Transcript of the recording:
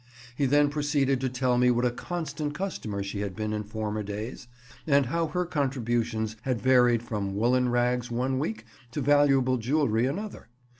He then proceeded to tell me what a constant customer she had been in former days, and how her contributions had varied from woollen rags one week to valuable jewellery another.